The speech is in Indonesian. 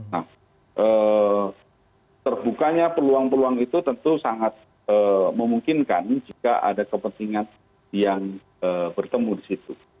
nah terbukanya peluang peluang itu tentu sangat memungkinkan jika ada kepentingan yang bertemu di situ